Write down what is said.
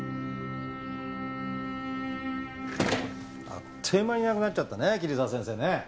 あっという間にいなくなっちゃったね桐沢先生ね。